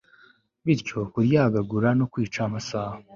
bityo kuryagagura no kwica amasaha